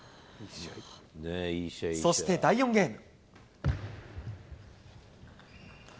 そして第４ゲーム。